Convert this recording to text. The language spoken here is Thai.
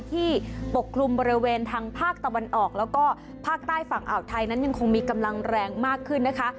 ปกคลุมบริเวณทางภาคตะวันออกแล้วก็ภาคใต้ฝั่งอ่าวไทยนั้นยังคงมีกำลังแรงมากขึ้นนะคะ